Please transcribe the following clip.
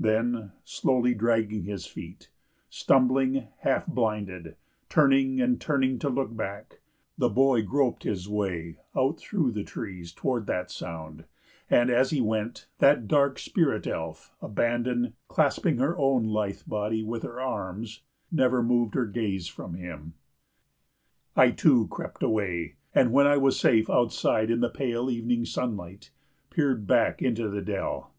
Then, slowly dragging his feet, stumbling, half blinded, turning and turning to look back, the boy groped his way out through the trees toward that sound; and, as he went, that dark spirit elf, abandoned, clasping her own lithe body with her arms, never moved her gaze from him. I, too, crept away, and when I was safe outside in the pale evening sunlight, peered back into the dell.